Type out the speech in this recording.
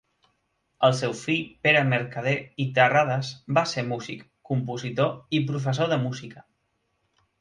El seu fill Pere Mercader i Terrades va ser músic, compositor i professor de música.